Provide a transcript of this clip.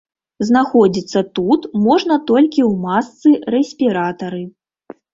Знаходзіцца тут можна толькі ў масцы-рэспіратары.